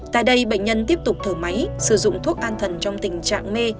tại đây bệnh nhân tiếp tục thở máy sử dụng thuốc an thần trong tình trạng mê